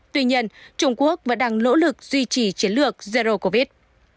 tuy nhiên trung quốc vẫn đang nỗ lực duy trì chiến lược zero covid